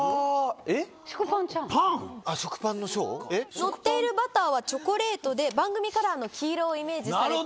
のっているバターはチョコレートで番組カラーの黄色をイメージされていると。